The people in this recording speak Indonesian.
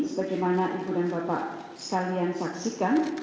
seperti yang ibu dan bapak sekalian saksikan